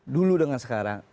dulu dengan sekarang